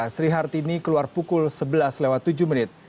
sri hartini keluar pukul sebelas lewat tujuh menit